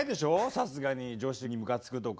さすがに女子にムカつくとか。